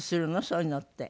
そういうのって。